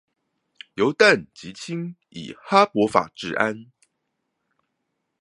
由氮及氫以哈柏法製氨